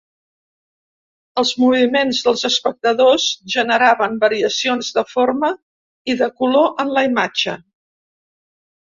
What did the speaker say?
Els moviments dels espectadors generaven variacions de forma i de color en la imatge.